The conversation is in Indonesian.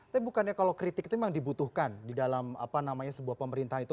tapi bukannya kalau kritik itu memang dibutuhkan di dalam apa namanya sebuah pemerintahan itu